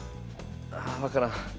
ああ分からん。